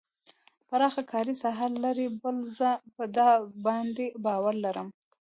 پراخه کاري ساحه لري بل زه په تا باندې باور لرم.